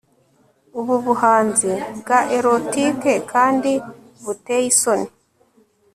ubu buhanzi bwa erotic kandi buteye isoni